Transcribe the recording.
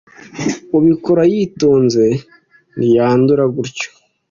ubikora yitonze ntiyandura gutyo